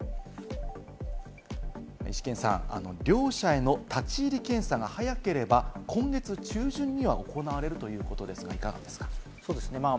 イシケンさん、両社への立ち入り検査が早ければ今月中旬には行われるということですが、いかがですか？